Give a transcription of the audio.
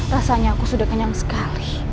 rasanya aku sudah kenyam sekali